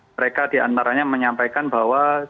mereka diantaranya menyampaikan bahwa